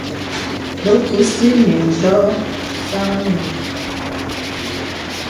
Bə kūsì mìndɔ̄ɔ̄ sâknì.